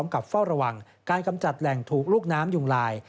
กับเฝ้าระวังการกำจัดแหล่งถูกลูกน้ำยุงลาย